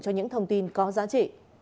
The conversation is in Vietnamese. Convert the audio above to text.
cho những thông tin có giá trị